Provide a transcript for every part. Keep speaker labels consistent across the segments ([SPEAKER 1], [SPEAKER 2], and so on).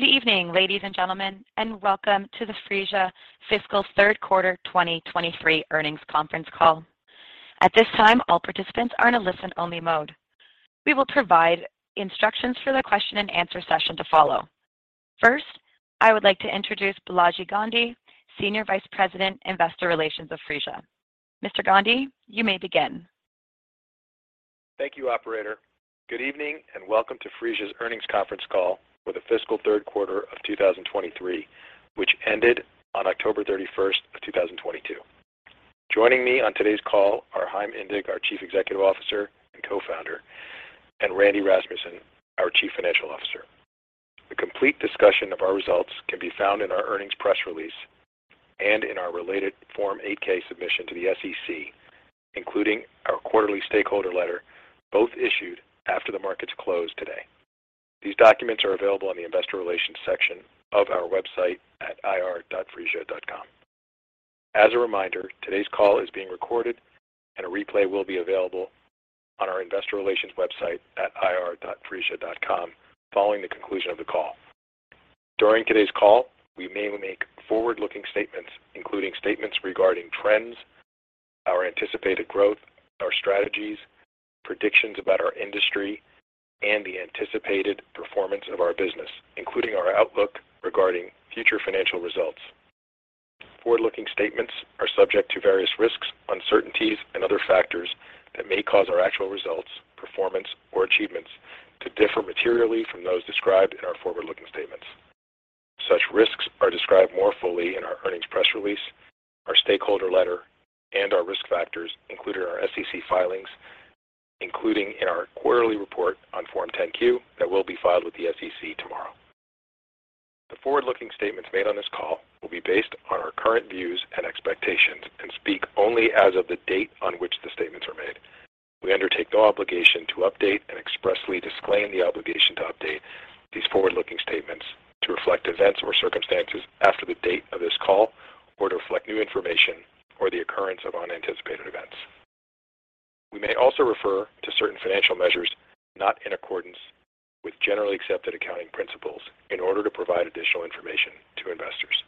[SPEAKER 1] Good evening, ladies and gentlemen, and welcome to the Phreesia fiscal third quarter 2023 earnings conference call. At this time, all participants are in a listen-only mode. We will provide instructions for the question-and-answer session to follow. First, I would like to introduce Balaji Gandhi, Senior Vice President, Investor Relations of Phreesia. Mr. Gandhi, you may begin.
[SPEAKER 2] Thank you, operator. Good evening, and welcome to Phreesia's earnings conference call for the fiscal third quarter of 2023, which ended on October 31st, 2022. Joining me on today's call are Chaim Indig, our Chief Executive Officer and Co-founder, and Randy Rasmussen, our Chief Financial Officer. The complete discussion of our results can be found in our earnings press release and in our related Form 8-K submission to the SEC, including our quarterly stakeholder letter, both issued after the markets closed today. These documents are available on the investor relations section of our website at ir.phreesia.com. As a reminder, today's call is being recorded, and a replay will be available on our investor relations website at ir.phreesia.com following the conclusion of the call. During today's call, we may make forward-looking statements, including statements regarding trends, our anticipated growth, our strategies, predictions about our industry, and the anticipated performance of our business, including our outlook regarding future financial results. Forward-looking statements are subject to various risks, uncertainties, and other factors that may cause our actual results, performance, or achievements to differ materially from those described in our forward-looking statements. Such risks are described more fully in our earnings press release, our stakeholder letter, and our risk factors included in our SEC filings, including in our quarterly report on Form 10-Q that will be filed with the SEC tomorrow. The forward-looking statements made on this call will be based on our current views and expectations and speak only as of the date on which the statements are made. We undertake no obligation to update and expressly disclaim the obligation to update these forward-looking statements to reflect events or circumstances after the date of this call or to reflect new information or the occurrence of unanticipated events. We may also refer to certain financial measures not in accordance with generally accepted accounting principles in order to provide additional information to investors.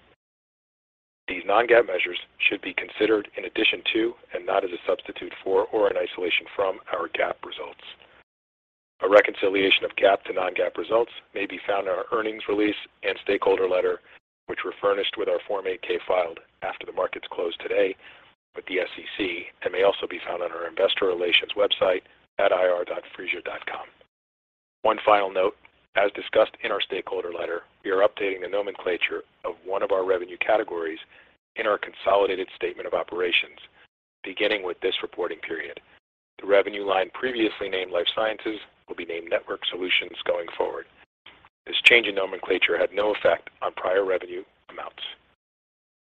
[SPEAKER 2] These non-GAAP measures should be considered in addition to and not as a substitute for or an isolation from our GAAP results. A reconciliation of GAAP to non-GAAP results may be found in our earnings release and stakeholder letter, which were furnished with our Form 8-K filed after the markets closed today with the SEC and may also be found on our investor relations website at ir.phreesia.com. One final note, as discussed in our stakeholder letter, we are updating the nomenclature of one of our revenue categories in our consolidated statement of operations beginning with this reporting period. The revenue line previously named Life Sciences will be named Network Solutions going forward. This change in nomenclature had no effect on prior revenue amounts.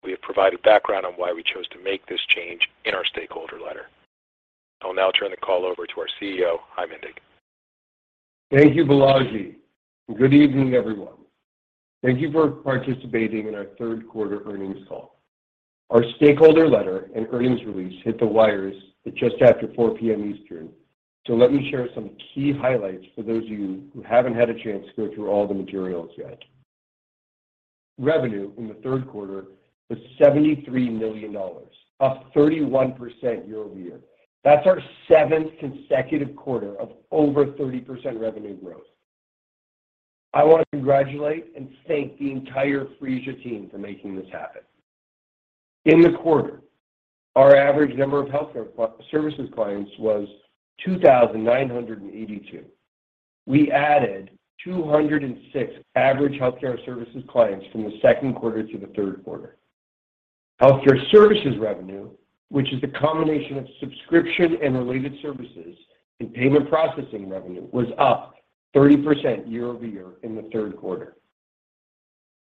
[SPEAKER 2] We have provided background on why we chose to make this change in our stakeholder letter. I'll now turn the call over to our CEO, Chaim Indig.
[SPEAKER 3] Thank you, Balaji. Good evening, everyone. Thank you for participating in our third quarter earnings call. Our stakeholder letter and earnings release hit the wires at just after 4:00 P.M. Eastern. Let me share some key highlights for those of you who haven't had a chance to go through all the materials yet. Revenue in the third quarter was $73 million, up 31% year-over-year. That's our seventh consecutive quarter of over 30% revenue growth. I want to congratulate and thank the entire Phreesia team for making this happen. In the quarter, our average number of healthcare services clients was 2,982. We added 206 average healthcare services clients from the second quarter to the third quarter. Healthcare services revenue, which is the combination of subscription and related services and payment processing revenue, was up 30% year-over-year in the third quarter.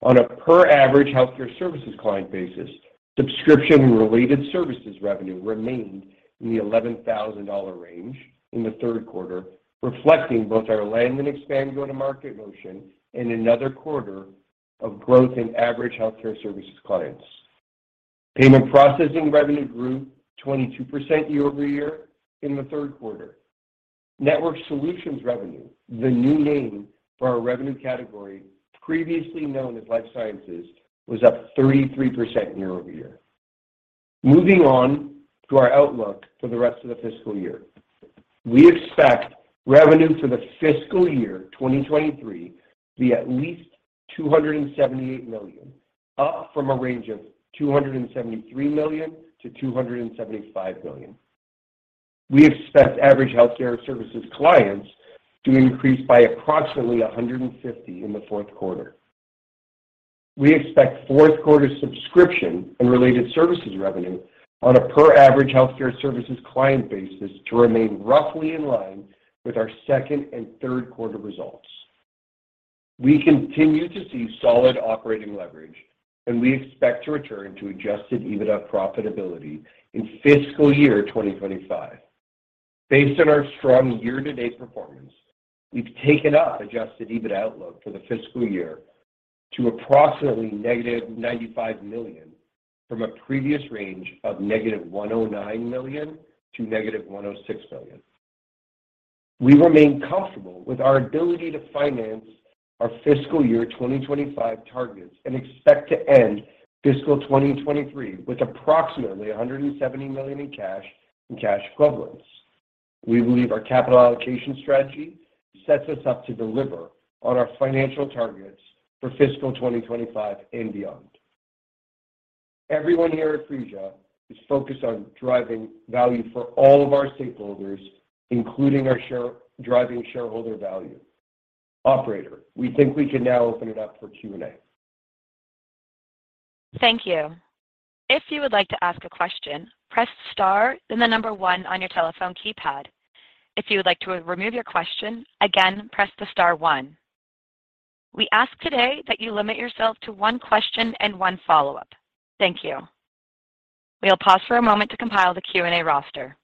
[SPEAKER 3] On a per average healthcare services client basis, subscription and related services revenue remained in the $11,000 range in the third quarter, reflecting both our land and expand go-to-market motion and another quarter of growth in average healthcare services clients. Payment processing revenue grew 22% year-over-year in the third quarter. Network Solutions revenue, the new name for our revenue category previously known as Life Sciences, was up 33% year-over-year. Moving on to our outlook for the rest of the fiscal year. We expect revenue for the fiscal year 2023 to be at least $278 million, up from a range of $273 million-$275 million. We expect average healthcare services clients to increase by approximately 150 in the fourth quarter. We expect fourth quarter subscription and related services revenue on a per average healthcare services client basis to remain roughly in line with our second and third quarter results. We continue to see solid operating leverage, and we expect to return to Adjusted EBITDA profitability in fiscal year 2025. Based on our strong year-to-date performance, we've taken up Adjusted EBITDA outlook for the fiscal year to approximately -$95 million from a previous range of -$109 million to -$106 million. We remain comfortable with our ability to finance our fiscal year 2025 targets and expect to end fiscal 2023 with approximately $170 million in cash and cash equivalents. We believe our capital allocation strategy sets us up to deliver on our financial targets for fiscal 2025 and beyond. Everyone here at Phreesia is focused on driving value for all of our stakeholders, including driving shareholder value. Operator, we think we can now open it up for Q&A.
[SPEAKER 1] Thank you. If you would like to ask a question, press star, then the number one on your telephone keypad. If you would like to remove your question, again, press the star one. We ask today that you limit yourself to one question and one follow-up. Thank you. We'll pause for a moment to compile the Q&A roster.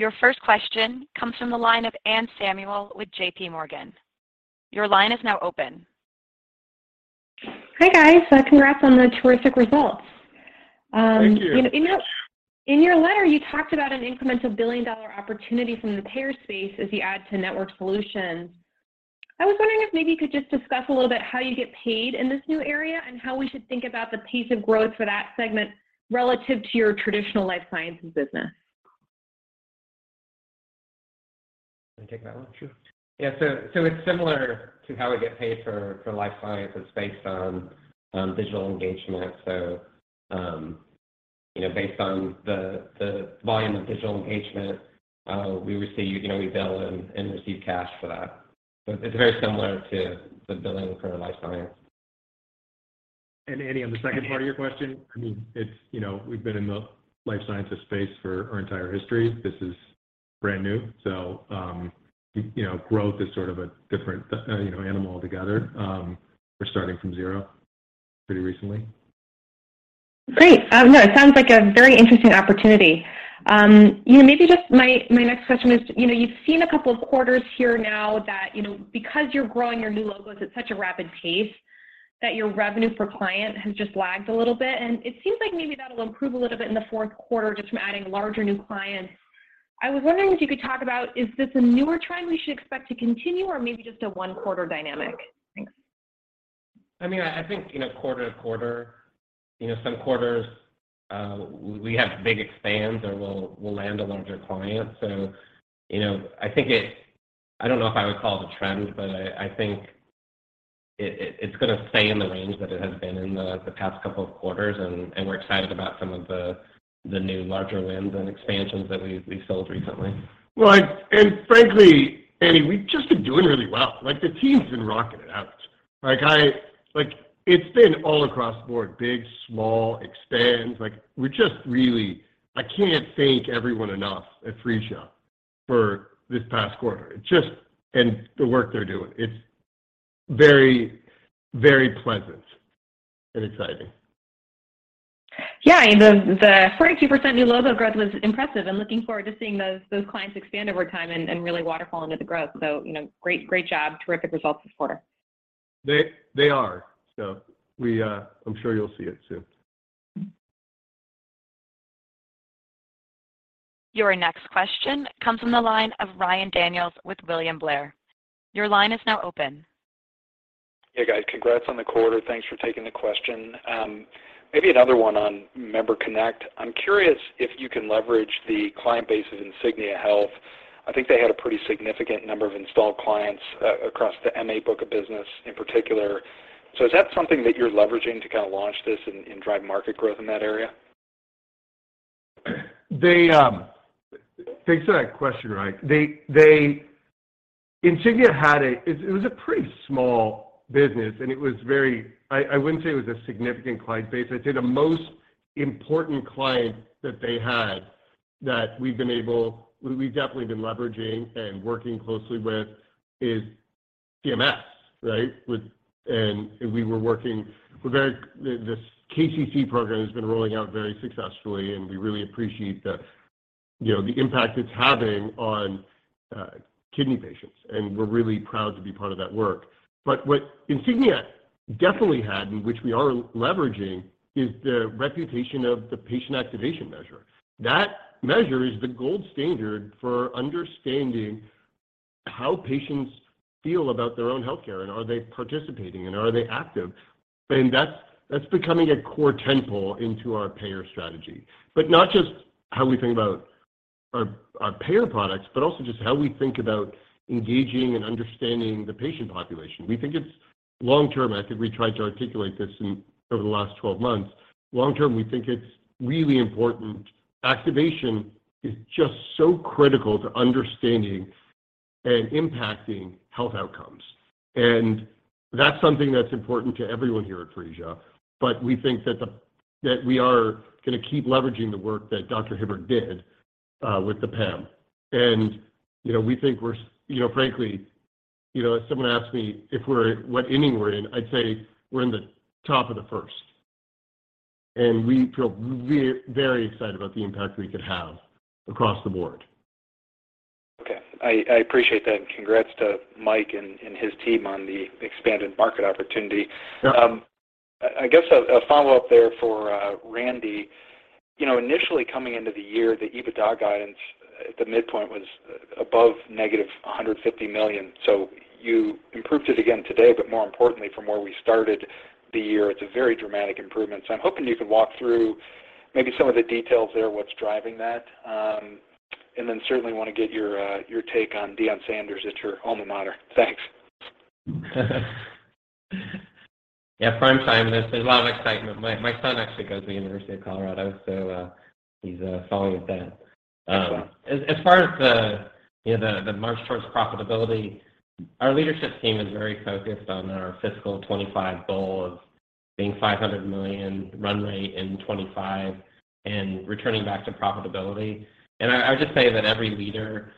[SPEAKER 1] Your first question comes from the line of Anne Samuel with JP Morgan. Your line is now open.
[SPEAKER 4] Hi, guys. Congrats on the terrific results.
[SPEAKER 3] Thank you.
[SPEAKER 4] In your letter, you talked about an incremental billion-dollar opportunity from the payer space as you add to Network Solutions. I was wondering if maybe you could just discuss a little bit how you get paid in this new area and how we should think about the pace of growth for that segment relative to your traditional Life Sciences business.
[SPEAKER 5] Can I take that one, Chaim? Yeah. It's similar to how we get paid for Life Sciences. It's based on digital engagement. You know, based on the volume of digital engagement we receive, you know, we bill and receive cash for that. It's very similar to the billing for Life Sciences.
[SPEAKER 2] Anne, on the second part of your question, I mean, it's, you know, we've been in the Life Sciences space for our entire history. This is brand new. You know, growth is sort of a different, you know, animal altogether. We're starting from zero pretty recently.
[SPEAKER 4] Great. No, it sounds like a very interesting opportunity. You know, maybe just my next question is, you know, you've seen a couple of quarters here now that, you know, because you're growing your new logos at such a rapid pace, that your revenue per client has just lagged a little bit. It seems like maybe that'll improve a little bit in the fourth quarter just from adding larger new clients. I was wondering if you could talk about, is this a newer trend we should expect to continue or maybe just a one-quarter dynamic? Thanks.
[SPEAKER 5] I mean, I think, you know, quarter to quarter, you know, some quarters, we have big expands or we'll land a larger client. You know, I don't know if I would call it a trend, but I think it, it's gonna stay in the range that it has been in the past couple of quarters, and we're excited about some of the new larger wins and expansions that we sold recently.
[SPEAKER 3] Frankly, Anne, we've just been doing really well. Like, the team's been rocking it out. Like, it's been all across the board, big, small expands. Like, we're just really. I can't thank everyone enough at Phreesia for this past quarter. The work they're doing, it's very, very pleasant and exciting.
[SPEAKER 4] Yeah. The 42% new logo growth was impressive. I'm looking forward to seeing those clients expand over time and really waterfall into the growth. you know, great job. Terrific results this quarter.
[SPEAKER 3] They are. I'm sure you'll see it soon.
[SPEAKER 1] Your next question comes from the line of Ryan Daniels with William Blair. Your line is now open.
[SPEAKER 6] Hey, guys. Congrats on the quarter. Thanks for taking the question. Maybe another one on MemberConnect. I'm curious if you can leverage the client base of Insignia Health. I think they had a pretty significant number of installed clients across the MA book of business in particular. Is that something that you're leveraging to kind of launch this and drive market growth in that area?
[SPEAKER 3] Thanks for that question, Ryan. Insignia had a pretty small business, and it was very. I wouldn't say it was a significant client base. I'd say the most important client that they had that we've definitely been leveraging and working closely with is CMS, right? We were working. The KCC program has been rolling out very successfully, and we really appreciate the, you know, the impact it's having on kidney patients, and we're really proud to be part of that work. What Insignia definitely had, and which we are leveraging, is the reputation of the Patient Activation Measure. That measure is the gold standard for understanding how patients feel about their own healthcare, and are they participating, and are they active? That's becoming a core tent pole into our payer strategy. Not just how we think about our payer products, but also just how we think about engaging and understanding the patient population. We think it's long-term. I think we tried to articulate this over the last 12 months. Long-term, we think it's really important. Activation is just so critical to understanding and impacting health outcomes. That's something that's important to everyone here at Phreesia. We think that we are gonna keep leveraging the work that Judith Hibbard did with the PAM. You know, frankly, you know, if someone asks me if what inning we're in, I'd say we're in the top of the first. We feel very excited about the impact we could have across the board.
[SPEAKER 6] I appreciate that. Congrats to Mike and his team on the expanded market opportunity.
[SPEAKER 3] Yeah.
[SPEAKER 6] I guess a follow-up there for Randy. You know, initially coming into the year, the EBITDA guidance at the midpoint was above -$150 million. You improved it again today, but more importantly from where we started the year, it's a very dramatic improvement. I'm hoping you can walk through maybe some of the details there, what's driving that. Then certainly wanna get your take on Deion Sanders at your alma mater. Thanks.
[SPEAKER 5] Yeah. Prime time. There's a lot of excitement. My son actually goes to University of Colorado, so he's following with that. As far as the, you know, march towards profitability, our leadership team is very focused on our fiscal 25 goal of being $500 million run rate in 25 and returning back to profitability. I would just say that every leader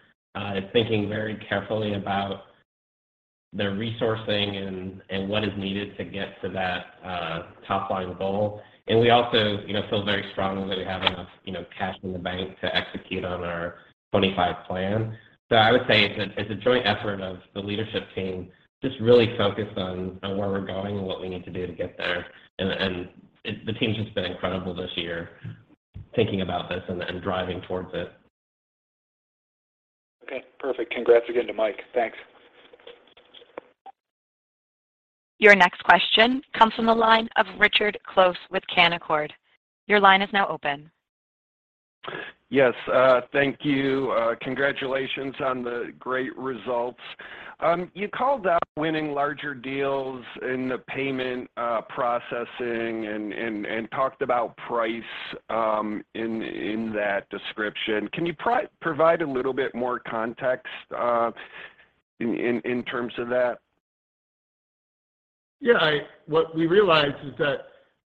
[SPEAKER 5] is thinking very carefully about their resourcing and what is needed to get to that top line goal. We also, you know, feel very strongly that we have enough, you know, cash in the bank to execute on our 2025 plan. I would say it's a joint effort of the leadership team just really focused on where we're going and what we need to do to get there. The team's just been incredible this year, thinking about this and driving towards it.
[SPEAKER 6] Okay. Perfect. Congrats again to Mike. Thanks.
[SPEAKER 1] Your next question comes from the line of Richard Close with Canaccord. Your line is now open.
[SPEAKER 7] Yes. Thank you. Congratulations on the great results. You called out winning larger deals in the payment processing and talked about price in that description. Can you provide a little bit more context in terms of that?
[SPEAKER 3] Yeah. What we realized is that,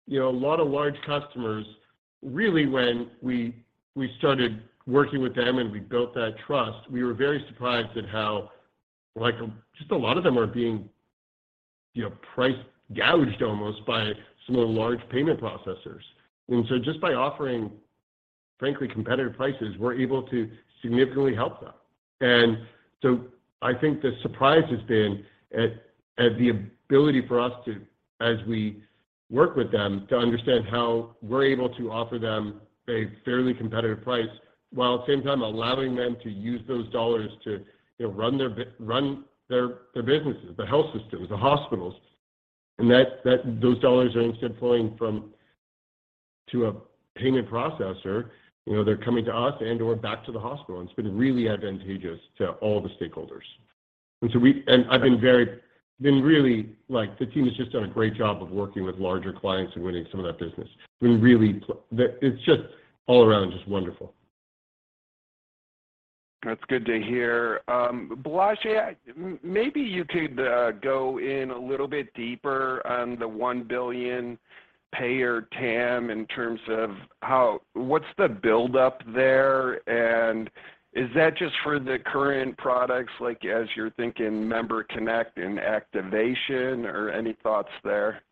[SPEAKER 3] you know, a lot of large customers, really when we started working with them and we built that trust, we were very surprised at how, like, just a lot of them are being, you know, price gouged almost by some of the large payment processors. Just by offering, frankly, competitive prices, we're able to significantly help them. I think the surprise has been at the ability for us to, as we work with them, to understand how we're able to offer them a fairly competitive price, while at the same time allowing them to use those dollars to, you know, run their businesses, the health systems, the hospitals. Those dollars are instead flowing to a payment processor. You know, they're coming to us and/or back to the hospital, and it's been really advantageous to all the stakeholders. I've been really, like the team has just done a great job of working with larger clients and winning some of that business. We really It's just all around just wonderful.
[SPEAKER 7] That's good to hear. Balaji, maybe you could go in a little bit deeper on the $1 billion payer TAM in terms of what's the build up there? Is that just for the current products, like as you're thinking MemberConnect and activation, or any thoughts there?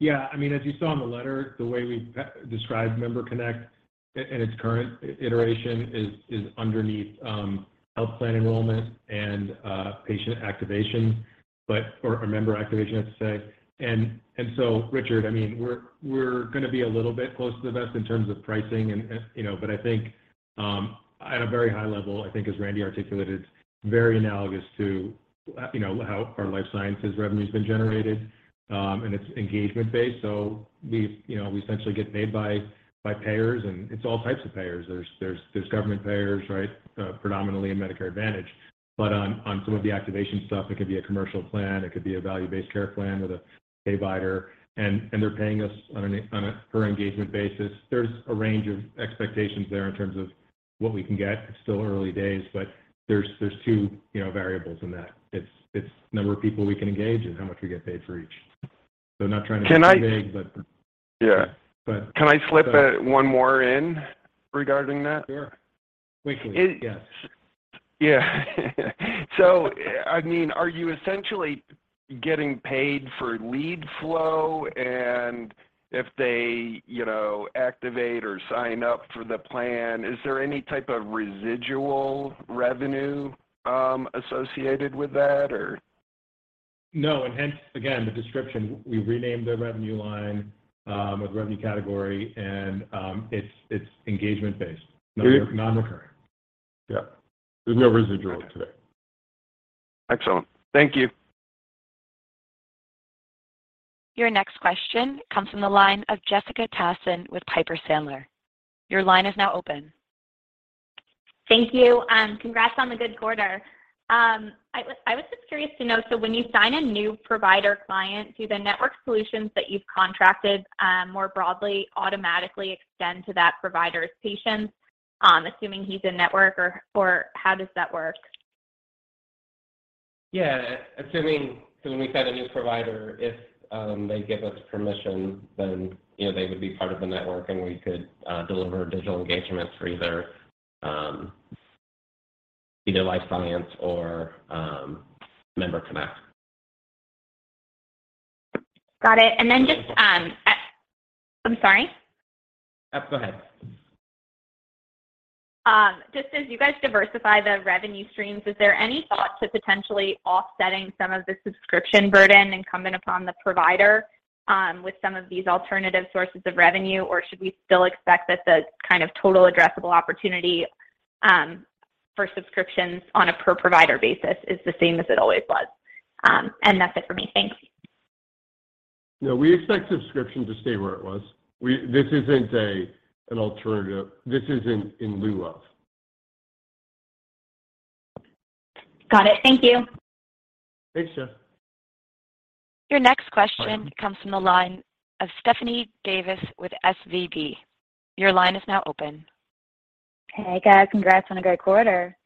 [SPEAKER 2] Yeah. I mean, as you saw in the letter, the way we described MemberConnect in its current iteration is underneath health plan enrollment and patient activation. Member activation, I have to say. Richard, I mean, we're gonna be a little bit close to the vest in terms of pricing and, you know. I think, at a very high level, I think as Randy articulated, very analogous to, you know, how our Life Sciences revenue's been generated, and it's engagement based. We, you know, essentially get paid by payers, and it's all types of payers. There's government payers, right? Predominantly in Medicare Advantage. On some of the activation stuff, it could be a commercial plan, it could be a value-based care plan with a payvider, and they're paying us on a per engagement basis. There's a range of expectations there in terms of what we can get. It's still early days, but there's two, you know, variables in that. It's number of people we can engage and how much we get paid for each. Not trying to be too vague.
[SPEAKER 7] Yeah.
[SPEAKER 2] But-
[SPEAKER 7] Can I slip one more in regarding that?
[SPEAKER 2] Sure. Quickly. Yes.
[SPEAKER 7] Yeah. I mean, are you essentially getting paid for lead flow and if they, you know, activate or sign up for the plan, is there any type of residual revenue associated with that or?
[SPEAKER 2] No. Hence, again, the description, we renamed the revenue line, or the revenue category, and it's engagement based.
[SPEAKER 7] Are you-
[SPEAKER 2] Non-recurring. Yeah. There's no residual today.
[SPEAKER 7] Excellent. Thank you.
[SPEAKER 1] Your next question comes from the line of Jessica Tassan with Piper Sandler. Your line is now open.
[SPEAKER 8] Thank you. Congrats on the good quarter. I was just curious to know, when you sign a new provider client, do the Network Solutions that you've contracted, more broadly automatically extend to that provider's patients, assuming he's in-network or how does that work?
[SPEAKER 3] When we sign a new provider, if they give us permission, then, you know, they would be part of the network and we could deliver digital engagements for either life science or MemberConnect.
[SPEAKER 8] Got it. Then just, I'm sorry.
[SPEAKER 3] Go ahead.
[SPEAKER 8] Just as you guys diversify the revenue streams, is there any thought to potentially offsetting some of the subscription burden incumbent upon the provider, with some of these alternative sources of revenue? Should we still expect that the kind of total addressable opportunity, for subscriptions on a per provider basis is the same as it always was? That's it for me. Thanks.
[SPEAKER 3] No, we expect subscription to stay where it was. This isn't an alternative. This isn't in lieu of.
[SPEAKER 8] Got it. Thank you.
[SPEAKER 3] Thanks, Tassan.
[SPEAKER 1] Your next question comes from the line of Stephanie Davis with SVB. Your line is now open.
[SPEAKER 9] Hey, guys. Congrats on a great quarter.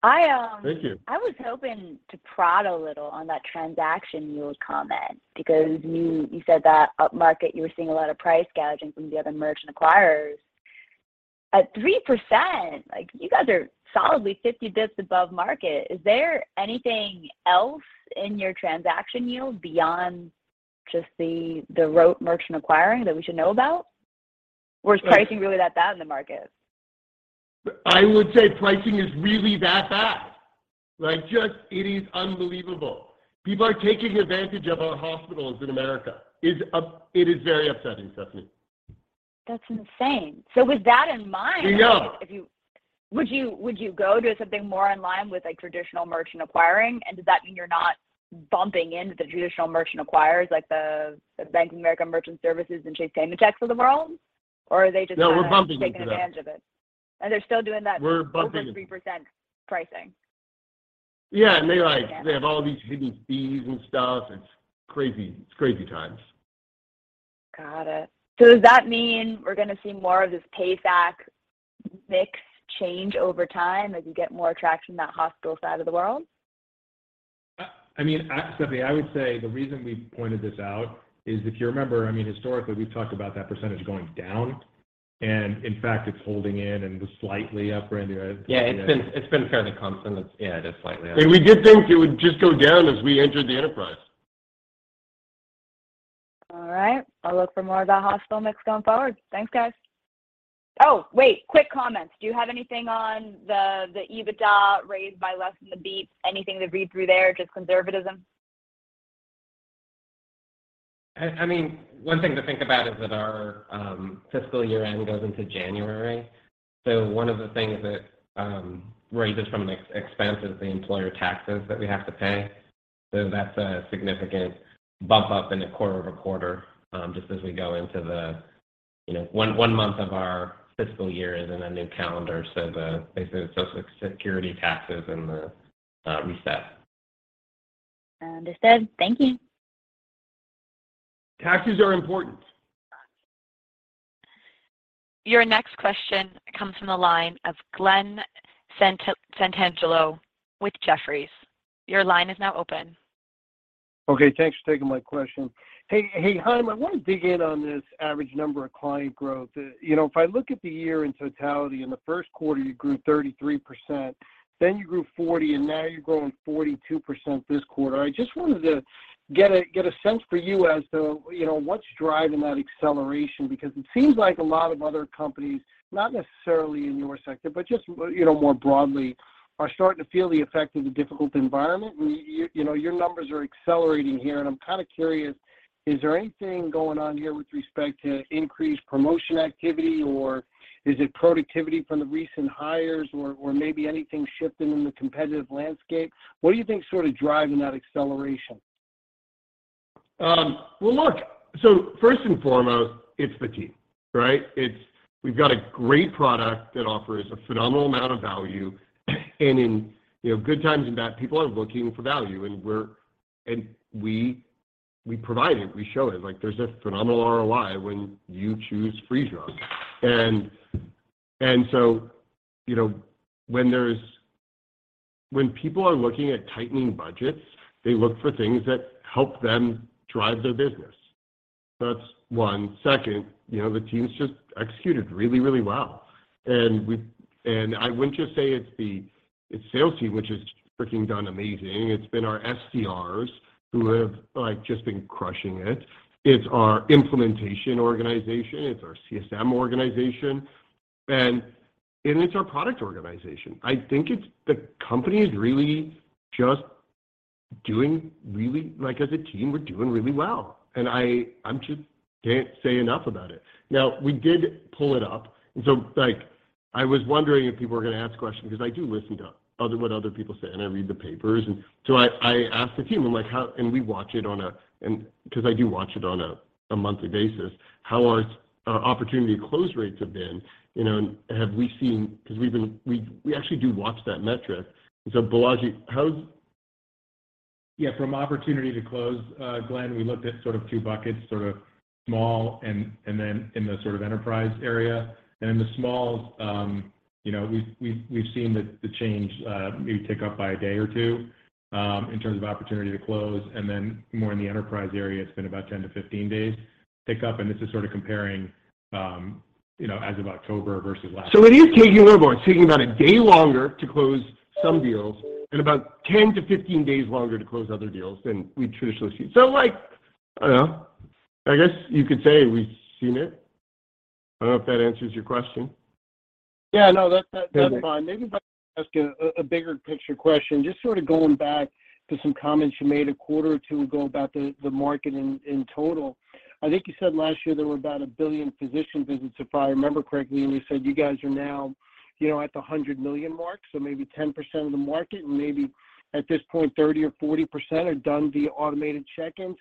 [SPEAKER 3] Thank you.
[SPEAKER 9] I was hoping to prod a little on that transaction yield comment because you said that up-market, you were seeing a lot of price gouging from the other merchant acquirers. At 3%, like, you guys are solidly 50 basis points above market. Is there anything else in your transaction yield beyond just the rote merchant acquiring that we should know about or is pricing really that bad in the market?
[SPEAKER 3] I would say pricing is really that bad. Like, just it is unbelievable. People are taking advantage of our hospitals in America. It is very upsetting, Stephanie.
[SPEAKER 9] That's insane. With that in mind...
[SPEAKER 3] I know....
[SPEAKER 9] would you go to something more in line with a traditional merchant acquiring? Does that mean you're not bumping into the traditional merchant acquirers like the Bank of America Merchant Services and Chase Paymentech of the world? Are they just...
[SPEAKER 3] No, we're bumping into them....
[SPEAKER 9] taking advantage of it. They're still doing that...
[SPEAKER 3] We're bumping....
[SPEAKER 9] over 3% pricing.
[SPEAKER 3] Yeah. they like, they have all these hidden fees and stuff. It's crazy. It's crazy times.
[SPEAKER 9] Got it. Does that mean we're gonna see more of this payback mix change over time as you get more traction in that hospital side of the world?
[SPEAKER 3] I mean, Stephanie, I would say the reason we pointed this out is if you remember, I mean, historically, we've talked about that percentage going down, and in fact, it's holding in and just slightly up, Randy, right?
[SPEAKER 5] Yeah. It's been fairly constant. Yeah, just slightly up.
[SPEAKER 3] We did think it would just go down as we entered the enterprise.
[SPEAKER 9] All right. I'll look for more of that hospital mix going forward. Thanks, guys. Wait, quick comments. Do you have anything on the EBITDA raised by less than the beat? Anything to read through there, just conservatism?
[SPEAKER 2] I mean, one thing to think about is that our fiscal year end goes into January. One of the things that raises from an expense is the employer taxes that we have to pay. That's a significant bump up in the quarter-over-quarter, just as we go into the, you know, one month of our fiscal year is in a new calendar. The, basically the Social Security taxes and the reset.
[SPEAKER 9] Understood. Thank you.
[SPEAKER 3] Taxes are important.
[SPEAKER 1] Your next question comes from the line of Glen Santangelo with Jefferies. Your line is now open.
[SPEAKER 10] Okay, thanks for taking my question. Hey, hey, Chaim, I wanna dig in on this average number of client growth. You know, if I look at the year in totality, in the first quarter, you grew 33%, then you grew 40%, and now you're growing 42% this quarter. I just wanted to get a sense for you as to, you know, what's driving that acceleration. It seems like a lot of other companies, not necessarily in your sector, but just, you know, more broadly, are starting to feel the effect of the difficult environment. You know, your numbers are accelerating here. I'm kinda curious, is there anything going on here with respect to increased promotion activity, or is it productivity from the recent hires or maybe anything shifting in the competitive landscape? What do you think is sort of driving that acceleration?
[SPEAKER 3] Well, look, first and foremost, it's the team, right? We've got a great product that offers a phenomenal amount of value. In, you know, good times and bad, people are looking for value, and we provide it. We show it. Like, there's a phenomenal ROI when you choose Phreesia. You know, when people are looking at tightening budgets, they look for things that help them drive their business. That's one. Second, you know, the team's just executed really, really well. I wouldn't just say it's its sales team, which has freaking done amazing. It's been our SCRs who have, like, just been crushing it. It's our implementation organization, it's our CSM organization, and it's our product organization. I think it's the company is really just doing really... Like, as a team, we're doing really well, and I'm just can't say enough about it. Now, we did pull it up, like, I was wondering if people were gonna ask questions because I do listen to other what other people say, and I read the papers. I asked the team, I'm like, "How..." We watch it on a because I do watch it on a monthly basis. How are our opportunity close rates have been? You know, have we seen... We actually do watch that metric. Balaji, how?
[SPEAKER 2] From opportunity to close, Glen, we looked at sort of two buckets, sort of small and then in the sort of enterprise area. In the small, we've seen the change maybe tick up by a day or two in terms of opportunity to close. More in the enterprise area, it's been about 10-15 days pick up. This is sort of comparing as of October versus last.
[SPEAKER 3] It is taking a little more. It's taking about a day longer to close some deals and about 10-15 days longer to close other deals than we traditionally see. Like, I don't know, I guess you could say we've seen it. I don't know if that answers your question.
[SPEAKER 10] Yeah, no, that's fine. Maybe if I can ask a bigger picture question. Just sort of going back to some comments you made a quarter or two ago about the market in total. I think you said last year there were about 1 billion physician visits, if I remember correctly, and you said you guys are now, you know, at the 100 million mark, so maybe 10% of the market and maybe at this point, 30% or 40% have done the automated check-in.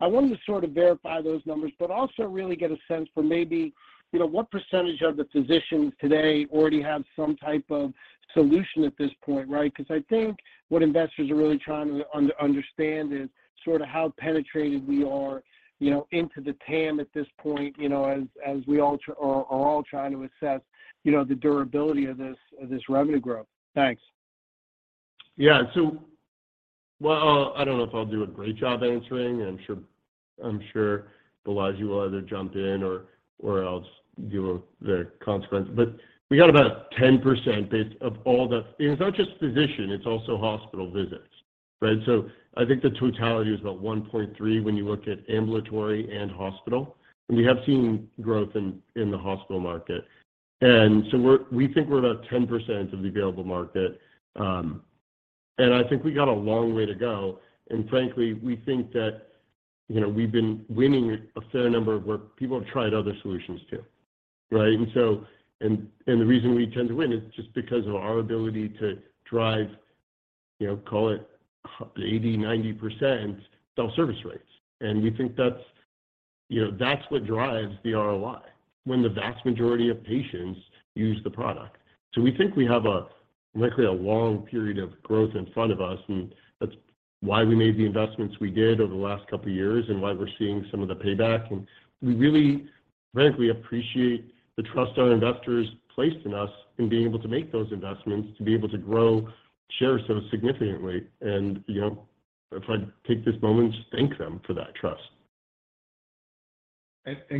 [SPEAKER 10] I wanted to sort of verify those numbers, but also really get a sense for maybe, you know, what percentage of the physicians today already have some type of solution at this point, right, 'cause I think what investors are really trying to understand is sort of how penetrated we are, you know, into the TAM at this point, you know, as we are all trying to assess, you know, the durability of this revenue growth. Thanks.
[SPEAKER 3] Well, I don't know if I'll do a great job answering. I'm sure, I'm sure Balaji will either jump in or I'll deal with the consequence. We got about 10% based of all the... it's not just physician, it's also hospital visits, right? I think the totality is about 1.3 when you look at ambulatory and hospital. We have seen growth in the hospital market. We think we're about 10% of the available market. I think we got a long way to go. Frankly, we think that, you know, we've been winning a fair number of work. People have tried other solutions too, right? The reason we tend to win is just because of our ability to drive, you know, call it 80%, 90% self-service rates. We think that's, you know, that's what drives the ROI, when the vast majority of patients use the product. We think we have a, likely a long period of growth in front of us, and that's why we made the investments we did over the last couple of years and why we're seeing some of the payback. We really frankly appreciate the trust our investors placed in us in being able to make those investments, to be able to grow, share so significantly. You know, if I take this moment, just thank them for that trust.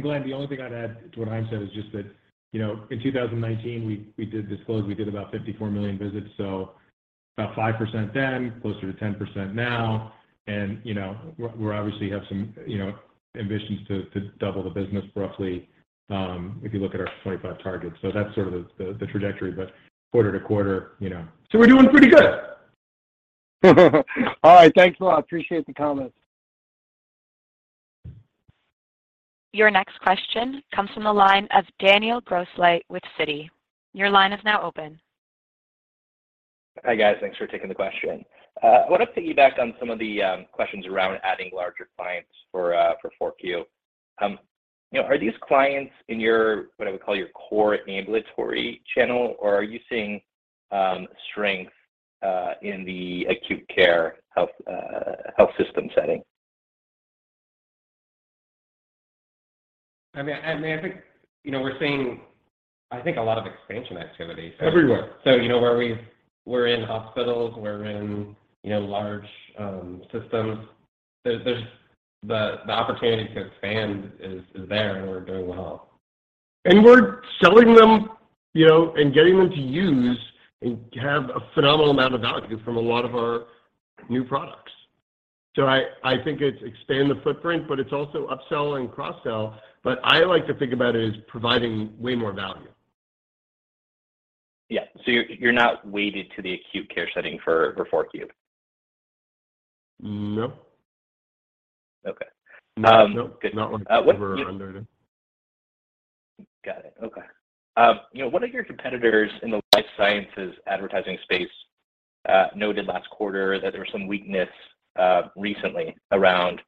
[SPEAKER 2] Glen, the only thing I'd add to what Chaim said is just that, you know, in 2019, we did disclose, we did about 54 million visits. About 5% then, closer to 10% now. You know, we obviously have some, you know, ambitions to double the business roughly, if you look at our 25 targets. That's sort of the trajectory. Quarter-to-quarter, you know. We're doing pretty good.
[SPEAKER 10] All right, thanks a lot. Appreciate the comments.
[SPEAKER 1] Your next question comes from the line of Daniel Grosslight with Citi. Your line is now open.
[SPEAKER 11] Hi, guys. Thanks for taking the question. I wanted to piggyback on some of the questions around adding larger clients for for 4-Q. You know, are these clients in your, what I would call your core ambulatory channel, or are you seeing strength in the acute care health health system setting?
[SPEAKER 2] I mean, I think, you know, we're seeing I think a lot of expansion.
[SPEAKER 3] Everywhere
[SPEAKER 2] You know, where we're in hospitals, we're in, you know, large systems. There's the opportunity to expand is there, and we're doing well.
[SPEAKER 3] We're selling them, you know, and getting them to use and have a phenomenal amount of value from a lot of our new products. I think it's expand the footprint, but it's also upsell and cross-sell. I like to think about it as providing way more value.
[SPEAKER 11] Yeah. You're not weighted to the acute care setting for 4-Q?
[SPEAKER 3] No.
[SPEAKER 11] Okay.
[SPEAKER 3] No, no. Not like we're under it.
[SPEAKER 11] Got it. Okay. You know, one of your competitors in the life sciences advertising space, noted last quarter that there was some weakness recently around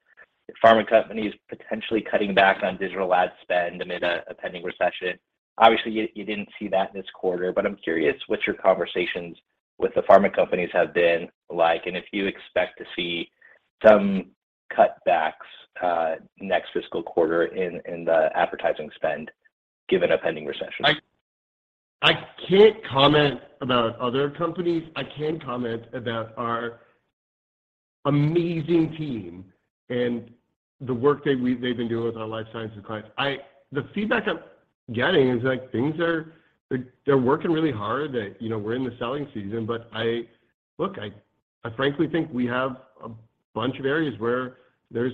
[SPEAKER 11] pharma companies potentially cutting back on digital ad spend amid a pending recession. Obviously, you didn't see that this quarter, but I'm curious what your conversations with the pharma companies have been like and if you expect to see some cutbacks next fiscal quarter in the advertising spend given a pending recession.
[SPEAKER 3] I can't comment about other companies. I can comment about our amazing team and the work they've been doing with our Life Sciences clients. The feedback I'm getting is like, things are, they're working really hard. We're in the selling season. Look, I frankly think we have a bunch of areas where there's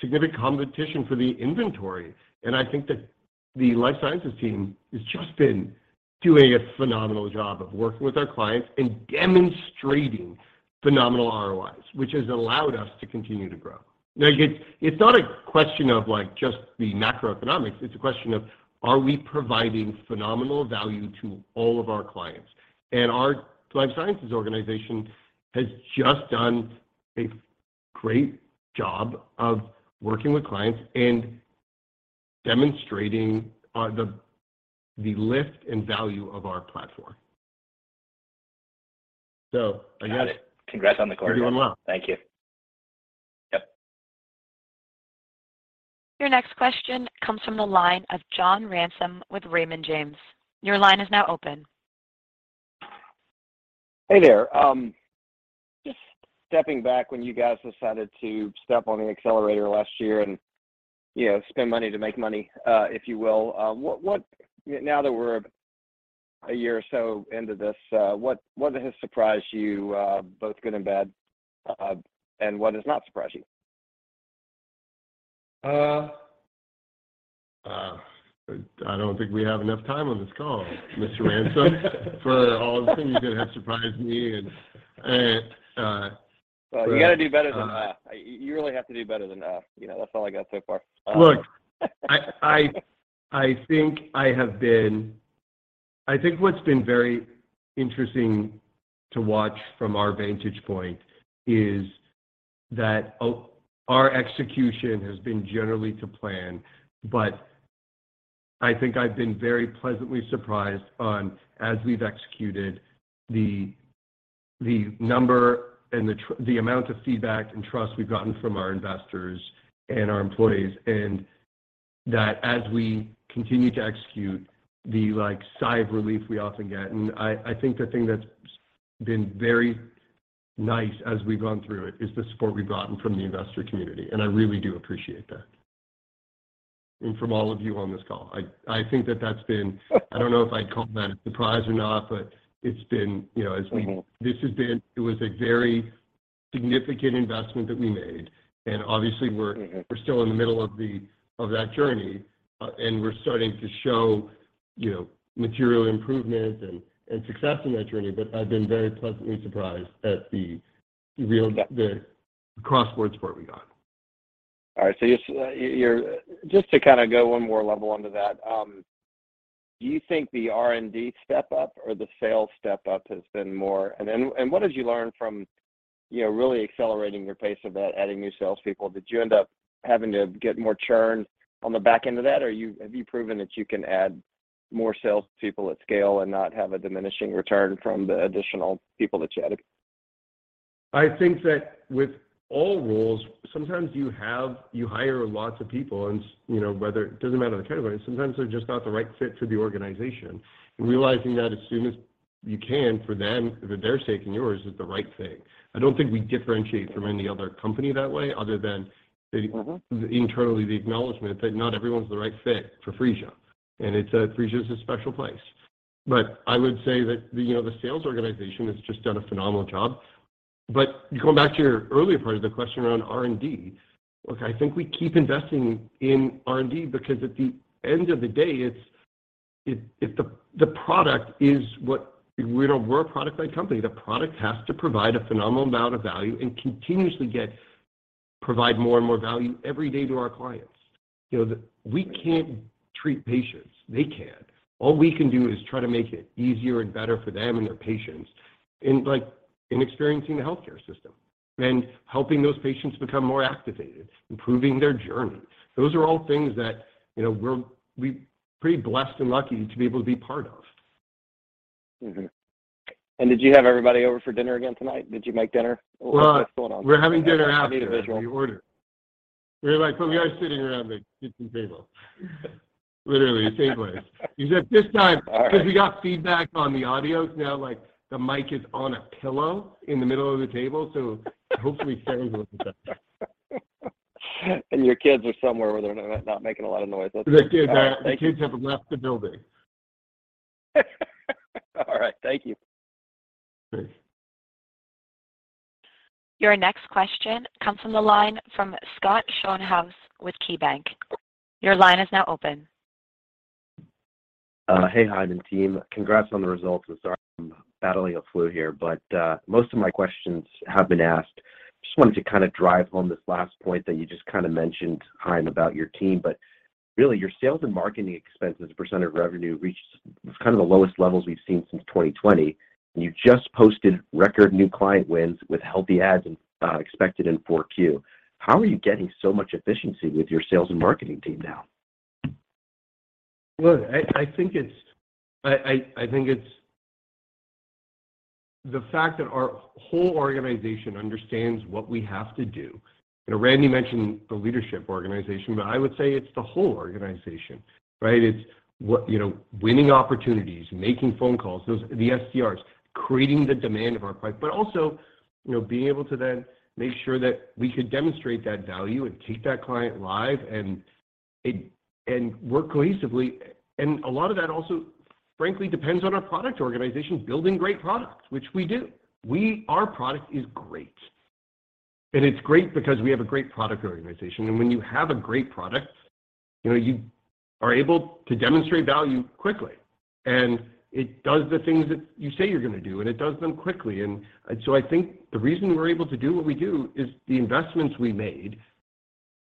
[SPEAKER 3] significant competition for the inventory. I think that the Life Sciences team has just been doing a phenomenal job of working with our clients and demonstrating phenomenal ROIs, which has allowed us to continue to grow. Like, it's not a question of, like, just the macroeconomics. It's a question of, are we providing phenomenal value to all of our clients? Our Life Sciences organization has just done a great job of working with clients and demonstrating the lift and value of our platform.
[SPEAKER 11] Got it. Congrats on the quarter.
[SPEAKER 3] We're doing well.
[SPEAKER 11] Thank you. Yep.
[SPEAKER 1] Your next question comes from the line of John Ransom with Raymond James. Your line is now open.
[SPEAKER 12] Hey there. Just stepping back when you guys decided to step on the accelerator last year and, you know, spend money to make money, if you will. Now that we're a year or so into this, what has surprised you, both good and bad, and what has not surprised you?
[SPEAKER 3] I don't think we have enough time on this call, Mr. Ransom for all the things that have surprised me and, but.
[SPEAKER 12] Well, you gotta do better than that. You really have to do better than that. You know, that's all I got so far.
[SPEAKER 3] Look, I think what's been very interesting to watch from our vantage point is that our execution has been generally to plan. I think I've been very pleasantly surprised on, as we've executed the number and the amount of feedback and trust we've gotten from our investors and our employees. That as we continue to execute the, like, sigh of relief we often get. I think the thing that's been very nice as we've gone through it is the support we've gotten from the investor community. I really do appreciate that. From all of you on this call. I think that's been I don't know if I'd call that a surprise or not, but it's been, you know, as we- it was a very significant investment that we made. Obviously, we're still in the middle of that journey, and we're starting to show, you know, material improvement and success in that journey. I've been very pleasantly surprised at the cross-board support we got.
[SPEAKER 12] All right. You're Just to kind of go one more level onto that, do you think the R&D step up or the sales step up has been more? What did you learn from, you know, really accelerating your pace of that, adding new sales people? Did you end up having to get more churn on the back end of that or have you proven that you can add more sales people at scale and not have a diminishing return from the additional people that you added?
[SPEAKER 3] I think that with all roles, sometimes you hire lots of people and, you know, it doesn't matter the category, sometimes they're just not the right fit for the organization. Realizing that as soon as you can for them, for their sake and yours, is the right thing. I don't think we differentiate from any other company that way other than the internally, the acknowledgement that not everyone's the right fit for Phreesia, and Phreesia is a special place. I would say that, you know, the sales organization has just done a phenomenal job. Going back to your earlier part of the question around R&D. Look, I think we keep investing in R&D because at the end of the day, it's the product is what... You know, we're a product led company. The product has to provide a phenomenal amount of value and continuously provide more and more value every day to our clients. You know, we can't treat patients. They can. All we can do is try to make it easier and better for them and their patients in like, in experiencing the healthcare system and helping those patients become more activated, improving their journey. Those are all things that, you know, we're pretty blessed and lucky to be able to be part of.
[SPEAKER 12] Did you have everybody over for dinner again tonight? Did you make dinner? What's going on?
[SPEAKER 3] Well, we're having dinner after. We ordered. We're like, but we are sitting around the kitchen table, literally the same place. Except this time 'cause we got feedback on the audio now, like the mic is on a pillow in the middle of the table, so hopefully sound will be better.
[SPEAKER 12] Your kids are somewhere where they're not making a lot of noise. That's great.
[SPEAKER 3] The kids are.
[SPEAKER 12] All right. Thank you.
[SPEAKER 3] The kids have left the building.
[SPEAKER 12] All right. Thank you.
[SPEAKER 3] Thanks.
[SPEAKER 1] Your next question comes from the line from Scott Schoenhaus with KeyBanc. Your line is now open.
[SPEAKER 13] Hey, Chaim and team. Congrats on the results, and sorry I'm battling a flu here, but most of my questions have been asked. Just wanted to kind of drive home this last point that you just kind of mentioned, Chaim, about your team, but really your sales and marketing expenses, percent of revenue reached was kind of the lowest levels we've seen since 2020, and you just posted record new client wins with healthy ads expected in 4Q. How are you getting so much efficiency with your sales and marketing team now?
[SPEAKER 3] Look, I think it's the fact that our whole organization understands what we have to do. You know, Randy mentioned the leadership organization, but I would say it's the whole organization, right? It's, you know, winning opportunities, making phone calls, the SDRs, creating the demand of our pipe, but also, you know, being able to then make sure that we could demonstrate that value and take that client live and work cohesively. A lot of that also, frankly, depends on our product organization building great products, which we do. Our product is great, and it's great because we have a great product organization. When you have a great product, you know, you are able to demonstrate value quickly, and it does the things that you say you're gonna do, and it does them quickly. I think the reason we're able to do what we do is the investments we made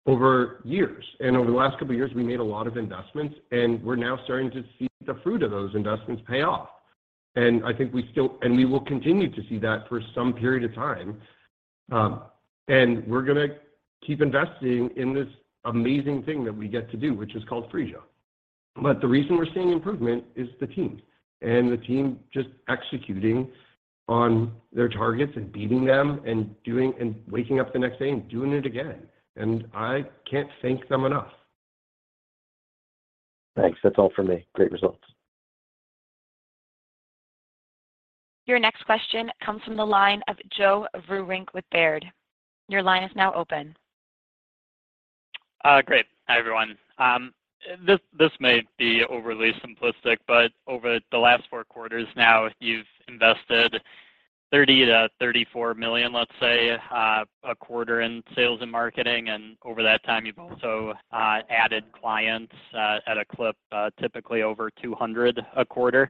[SPEAKER 3] over years. Over the last couple of years, we made a lot of investments, and we're now starting to see the fruit of those investments pay off. I think we will continue to see that for some period of time. We're gonna keep investing in this amazing thing that we get to do, which is called Phreesia. The reason we're seeing improvement is the team, and the team just executing on their targets and beating them and waking up the next day and doing it again. I can't thank them enough.
[SPEAKER 13] Thanks. That's all for me. Great results.
[SPEAKER 1] Your next question comes from the line of Joe Vruwink with Baird. Your line is now open.
[SPEAKER 14] Great. Hi, everyone. This may be overly simplistic, but over the last four quarters now, you've invested $30 million-$34 million, let's say, a quarter in sales and marketing. Over that time, you've also added clients at a clip, typically over 200 a quarter.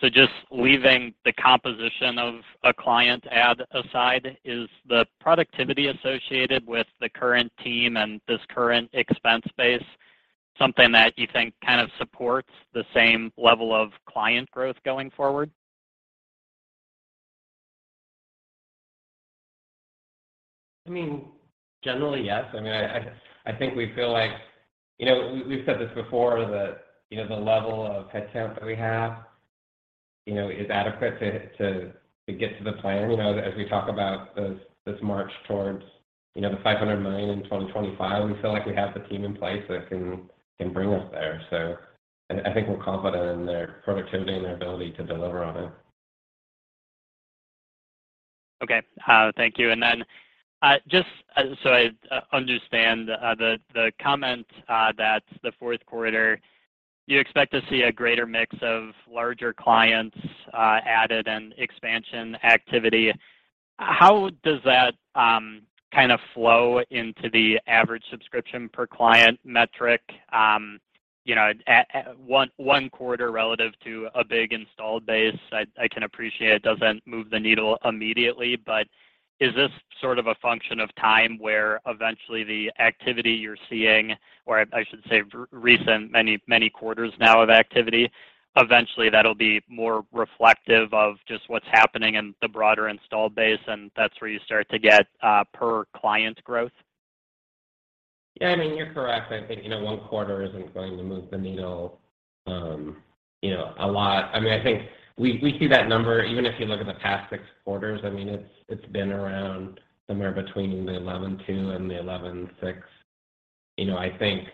[SPEAKER 14] Just leaving the composition of a client ad aside, is the productivity associated with the current team and this current expense base something that you think kind of supports the same level of client growth going forward?
[SPEAKER 5] I mean, generally, yes. I mean, I think we feel like, you know, we've said this before that, you know, the level of headcount that we have, you know, is adequate to get to the plan. You know, as we talk about this march towards, you know, the $500 million in 2025, we feel like we have the team in place that can bring us there. I think we're confident in their productivity and their ability to deliver on it.
[SPEAKER 14] Okay. Thank you. Just so I understand, the comment that the fourth quarter you expect to see a greater mix of larger clients added and expansion activity. How does that kind of flow into the average subscription per client metric? You know, at one quarter relative to a big installed base, I can appreciate it doesn't move the needle immediately, but is this sort of a function of time where eventually the activity you're seeing, or I should say recent many quarters now of activity, eventually that'll be more reflective of just what's happening in the broader installed base, and that's where you start to get per client growth?
[SPEAKER 5] Yeah. I mean, you're correct. I think, you know, one quarter isn't going to move the needle, you know, a lot. I mean, I think we see that number even if you look at the past six quarters. I mean, it's been around somewhere between 11.2-11.6. You know, I think,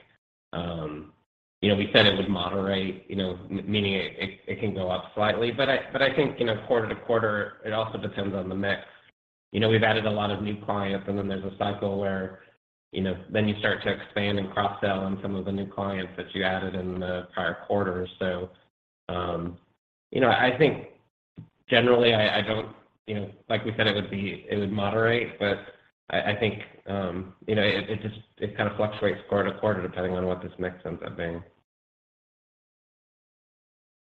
[SPEAKER 5] you know, we said it would moderate, you know, meaning it can go up slightly. I think, you know, quarter-to-quarter, it also depends on the mix. You know, we've added a lot of new clients, there's a cycle where, you know, then you start to expand and cross-sell on some of the new clients that you added in the prior quarters. You know, I think generally, I don't...You know, like we said, it would moderate, but I think, you know, it just kind of fluctuates quarter-to-quarter depending on what this mix ends up being.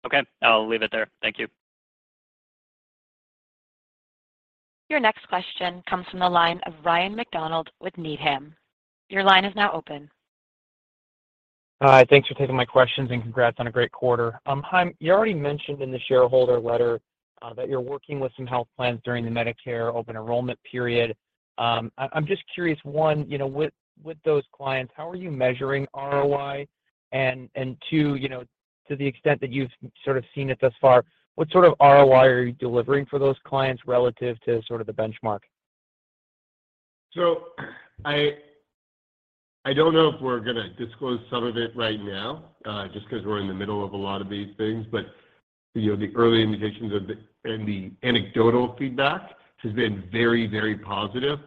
[SPEAKER 14] Okay. I'll leave it there. Thank you.
[SPEAKER 1] Your next question comes from the line of Ryan MacDonald with Needham. Your line is now open.
[SPEAKER 15] Thanks for taking my questions. Congrats on a great quarter. Chaim, you already mentioned in the shareholder letter that you're working with some health plans during the Medicare open enrollment period. I'm just curious, one, you know, with those clients, how are you measuring ROI? Two, you know, to the extent that you've sort of seen it thus far, what sort of ROI are you delivering for those clients relative to sort of the benchmark?
[SPEAKER 3] I don't know if we're gonna disclose some of it right now, just 'cause we're in the middle of a lot of these things. You know, the early indications and the anecdotal feedback has been very, very positive.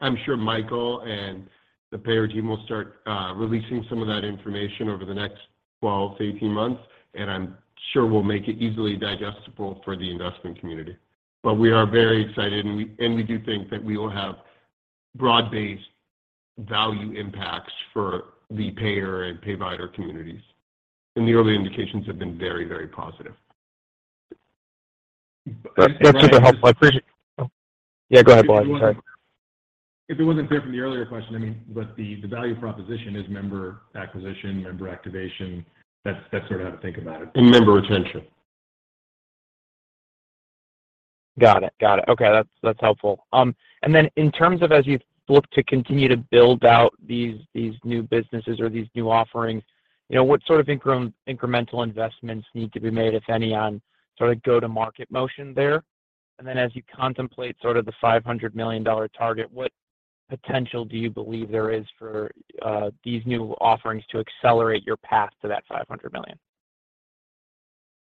[SPEAKER 3] I'm sure Michael and the payer team will start releasing some of that information over the next 12-18 months, and I'm sure we'll make it easily digestible for the investment community. We are very excited, and we do think that we will have broad-based value impacts for the payer and payvider communities. The early indications have been very, very positive.
[SPEAKER 15] That's super helpful. I appreciate... Go ahead. Sorry.
[SPEAKER 3] If it wasn't clear from the earlier question, I mean, but the value proposition is member acquisition, member activation. That's sort of how to think about it. Member retention.
[SPEAKER 15] Got it. Okay. That's helpful. Then in terms of as you look to continue to build out these new businesses or these new offerings, you know, what sort of incremental investments need to be made, if any, on sort of go-to-market motion there? Then as you contemplate sort of the $500 million target, what potential do you believe there is for these new offerings to accelerate your path to that $500 million?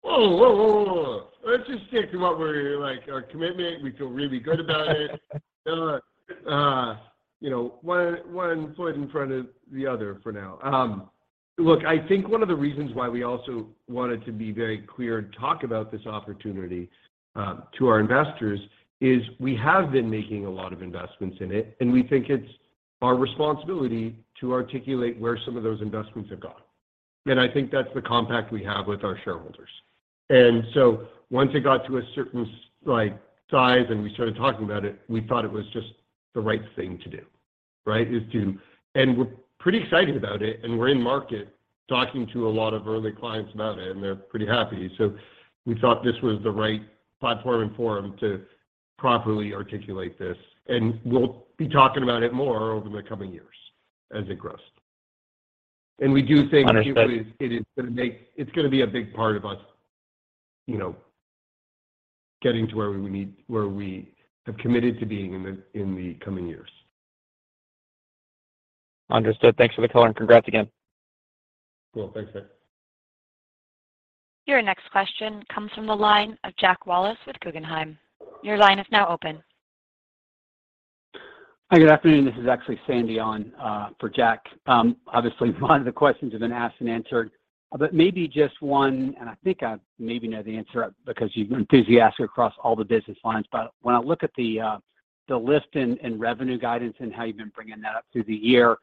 [SPEAKER 3] Whoa, whoa, whoa. Let's just stick to what we're like, our commitment. We feel really good about it. you know, one foot in front of the other for now. Look, I think one of the reasons why we also wanted to be very clear and talk about this opportunity, to our investors is we have been making a lot of investments in it, and we think it's our responsibility to articulate where some of those investments have gone. I think that's the compact we have with our shareholders. Once it got to a certain like, size and we started talking about it, we thought it was just the right thing to do, right? We're pretty excited about it, and we're in market talking to a lot of early clients about it, and they're pretty happy. We thought this was the right platform and forum to properly articulate this, and we'll be talking about it more over the coming years as it grows. We do think...
[SPEAKER 15] Understood...
[SPEAKER 3] it's gonna be a big part of us, you know, getting to where we have committed to being in the, in the coming years.
[SPEAKER 15] Understood. Thanks for the color, and congrats again.
[SPEAKER 3] Cool. Thanks, Ryan.
[SPEAKER 1] Your next question comes from the line of Jack Wallace with Guggenheim. Your line is now open.
[SPEAKER 16] Hi, good afternoon. This is actually Sandy on for Jack. Obviously, a lot of the questions have been asked and answered, but maybe just one, and I think I maybe know the answer because you've been enthusiastic across all the business lines. When I look at the lift in revenue guidance and how you've been bringing that up through the year,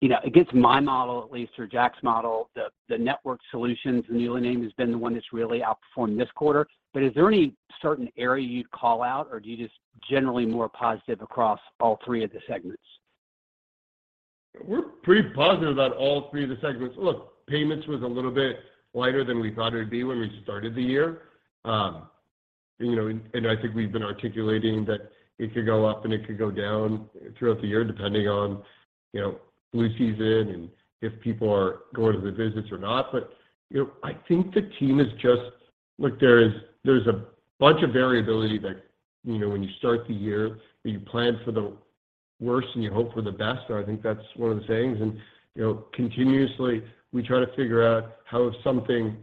[SPEAKER 16] you know, against my model, at least, or Jack's model, the Network Solutions, the new name has been the one that's really outperformed this quarter. Is there any certain area you'd call out, or are you just generally more positive across all three of the segments?
[SPEAKER 3] We're pretty positive about all three of the segments. Look, payments was a little bit lighter than we thought it would be when we started the year. You know, and I think we've been articulating that it could go up and it could go down throughout the year, depending on, you know, flu season and if people are going to the visits or not. you know, I think the team is just. Look, there is a bunch of variability that, you know, when you start the year, you plan for the worst and you hope for the best. I think that's one of the sayings. you know, continuously, we try to figure out how if something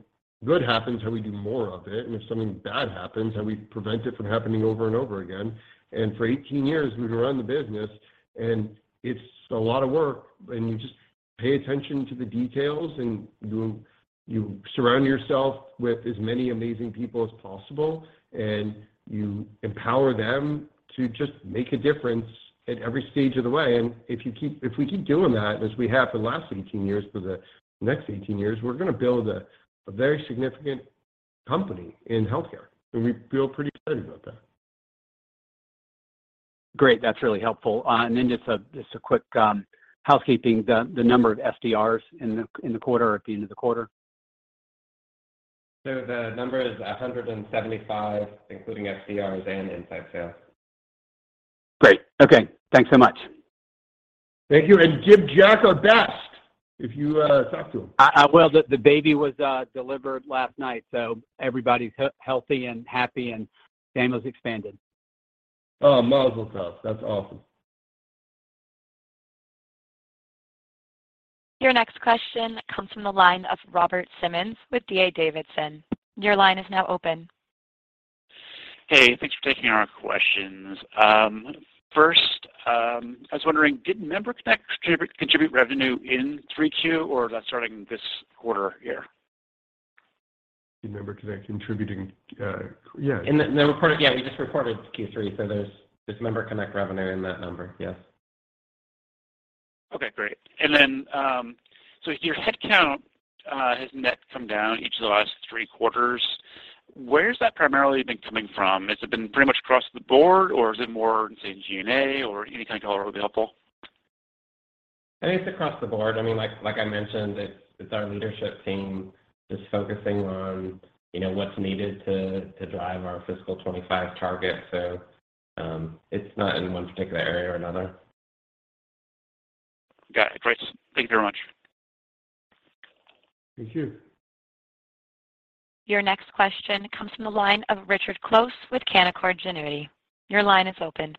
[SPEAKER 3] good happens, how we do more of it, and if something bad happens, how we prevent it from happening over and over again. For 18 years, we've run the business, and it's a lot of work, and you just pay attention to the details and you surround yourself with as many amazing people as possible, and you empower them to just make a difference at every stage of the way. If we keep doing that as we have for the last 18 years, for the next 18 years, we're gonna build a very significant company in healthcare. We feel pretty excited about that.
[SPEAKER 16] Great. That's really helpful. Just a, just a quick, housekeeping, the number of SDRs in the, in the quarter, at the end of the quarter.
[SPEAKER 5] The number is 175, including SDRs and inside sales.
[SPEAKER 16] Great. Okay. Thanks so much.
[SPEAKER 3] Thank you. Give Jack our best if you talk to him.
[SPEAKER 16] Well, the baby was delivered last night, so everybody's healthy and happy and family's expanded.
[SPEAKER 3] Oh, mazel tov. That's awesome.
[SPEAKER 1] Your next question comes from the line of Robert Simmons with D.A. Davidson. Your line is now open.
[SPEAKER 17] Hey, thanks for taking our questions. First, I was wondering, did MemberConnect contribute revenue in 3Q or that's starting this quarter year?
[SPEAKER 3] MemberConnect contributing, yeah.
[SPEAKER 5] In the report, yeah, we just reported Q3, so there's MemberConnect revenue in that number, yes.
[SPEAKER 17] Okay, great. Your headcount, has net come down each of the last three quarters. Where has that primarily been coming from? Has it been pretty much across the board or is it more in, say, G&A or any kind of color would be helpful?
[SPEAKER 5] I think it's across the board. I mean, like I mentioned, it's our leadership team just focusing on, you know, what's needed to drive our fiscal 25 target. It's not in one particular area or another.
[SPEAKER 17] Got it. Great. Thank you very much.
[SPEAKER 3] Thank you.
[SPEAKER 1] Your next question comes from the line of Richard Close with Canaccord Genuity. Your line is open.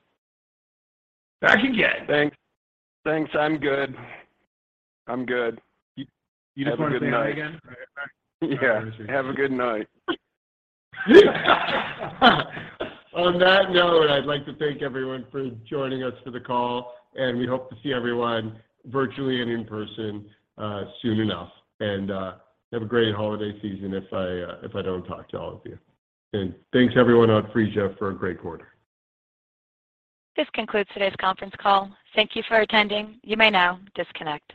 [SPEAKER 3] Back again.
[SPEAKER 7] Thanks. I'm good.
[SPEAKER 3] You just wanna say it again?
[SPEAKER 7] Have a good night. Yeah. Have a good night.
[SPEAKER 3] On that note, I'd like to thank everyone for joining us for the call, we hope to see everyone virtually and in person soon enough. Have a great holiday season if I don't talk to all of you. Thanks everyone at Phreesia for a great quarter.
[SPEAKER 1] This concludes today's conference call. Thank you for attending. You may now disconnect.